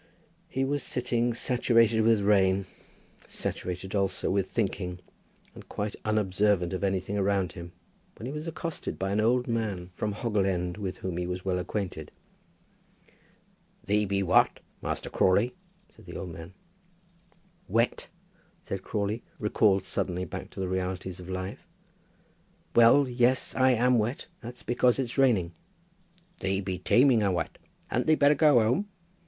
He was sitting saturated with rain, saturated also with thinking, and quite unobservant of anything around him, when he was accosted by an old man from Hoggle End, with whom he was well acquainted. "Thee be wat, Master Crawley," said the old man. "Wet!" said Crawley, recalled suddenly back to the realities of life. "Well, yes. I am wet. That's because it's raining." "Thee be teeming o' wat. Hadn't thee better go whome?"